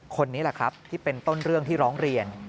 คนนี้แหละครับที่เป็นต้นเรื่องที่ร้องเรียน